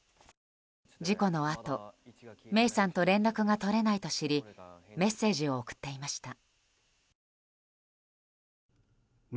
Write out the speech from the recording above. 事故のあと芽生さんと連絡が取れないと知りメッセージを送っていました。